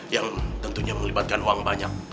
yang tentunya melibatkan uang banyak